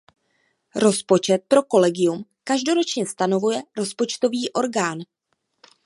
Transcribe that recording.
Rozpočet pro kolegium každoročně stanovuje rozpočtový orgán.